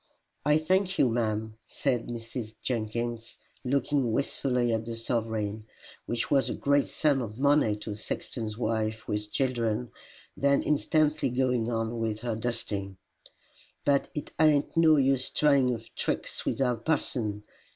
"I thank you, ma'am," said Mrs. Jenkins, looking wistfully at the sovereign, which was a great sum of money to a sexton's wife with children, then instantly going on with her dusting; "but it ain't no use tryin' of tricks with our parson.